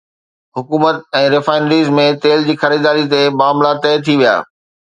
حڪومت ۽ ريفائنريز ۾ تيل جي خريداري تي معاملا طئي ٿي ويا